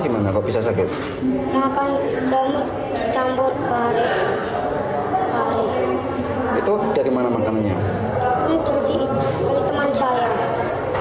ini jari teman cari